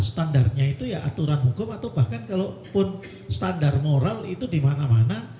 standarnya itu ya aturan hukum atau bahkan kalau pun standar moral itu di mana mana